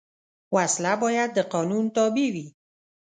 وسله باید د قانون تابع وي